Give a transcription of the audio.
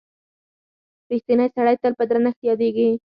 • رښتینی سړی تل په درنښت یادیږي.